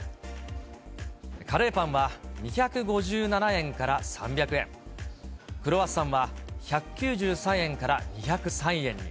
カレーパンは２５７円から３００円、クロワッサンは１９３円から２０３円に。